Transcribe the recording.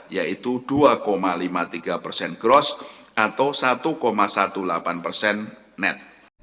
yaitu dua lima puluh tiga persen gross atau satu delapan belas persen net